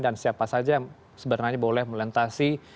siapa saja yang sebenarnya boleh melintasi